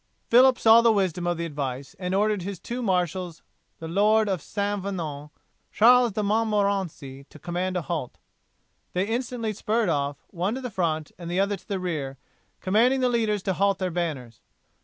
Phillip saw the wisdom of the advice and ordered his two marshals the Lord of St. Venant and Charles de Montmorency to command a halt. They instantly spurred off, one to the front and the other to the rear, commanding the leaders to halt their banners.